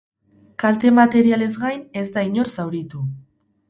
Kalte materialez gain, ez da inor zauritu.